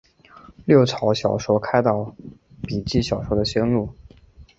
六朝小说开导笔记小说的先路。